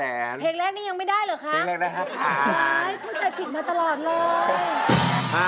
เพลงแรกนี้ยังไม่ได้เหรอคะ